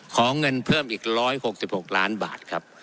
ขอเงินเพิ่มอีก๑๖๖ล้านบาทครับ